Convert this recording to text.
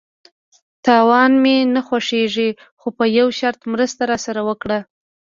_تاوان مې نه خوښيږي، خو په يوه شرط، مرسته راسره وکړه!